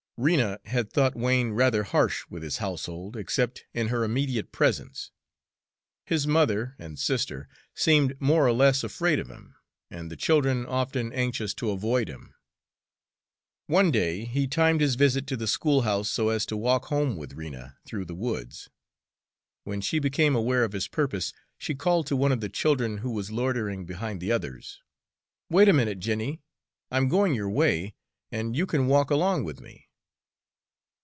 Rena had thought Wain rather harsh with his household, except in her immediate presence. His mother and sister seemed more or less afraid of him, and the children often anxious to avoid him. One day, he timed his visit to the schoolhouse so as to walk home with Rena through the woods. When she became aware of his purpose, she called to one of the children who was loitering behind the others, "Wait a minute, Jenny. I'm going your way, and you can walk along with me."